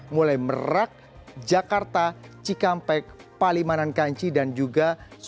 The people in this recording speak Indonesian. mulai merak jakarta cikampek palimanan kanci dan juga